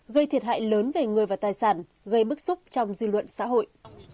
gây thiệt hại lớn về người và tài sản gây bức xúc trong dư luận xã hội